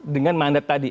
dengan mandat tadi